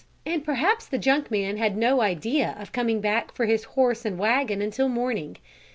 And perhaps the junk man had no idea of coming back for his horse and wagon until morning.